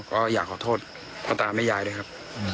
ก็อยากขอโทษพ่อตาแม่ยายด้วยครับ